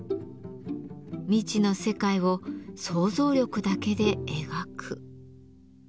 未知の世界を想像力だけで描く。